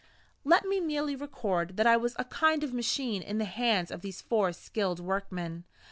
Let me merely record that I was a kind of machine in the hands of these four skilled workmen.